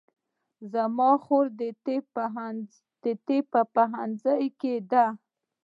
زما خور د طب په پوهنځي کې ده